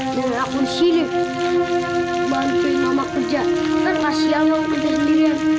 dan aku disini